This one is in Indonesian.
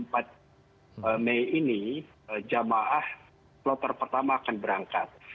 jadi hari ini jamaah pelotor pertama akan berangkat